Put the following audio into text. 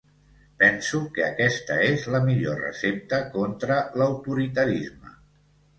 Penso que aquesta és la millor recepta contra l’autoritarisme.